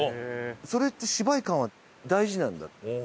それって芝居感は大事なんだって。